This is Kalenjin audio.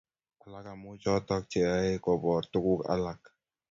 alak amu choto cheyoe koboor tuguk alak